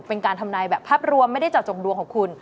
เป็นการทำนายแบบภาพรวมไม่ได้เจาะจงดวงของคุณ